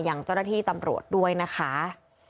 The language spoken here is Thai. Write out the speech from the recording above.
อย่างเจ้าหน้าที่ตำรวจด้วยนะคะ